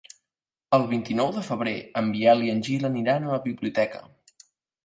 El vint-i-nou de febrer en Biel i en Gil aniran a la biblioteca.